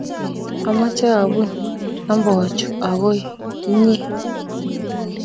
amacha abuun nambochu ago inyee